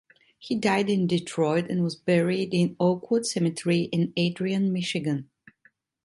He died in Detroit and was buried in Oakwood Cemetery in Adrian, Michigan.